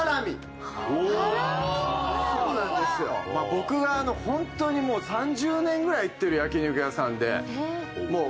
僕がホントにもう３０年ぐらい行ってる焼肉屋さんで。